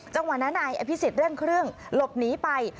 จังหวะนั้นนายอภิษฎเร่งเครื่องหลบหนีไป